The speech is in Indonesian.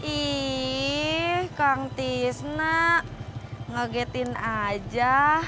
ih kang tisna ngagetin aja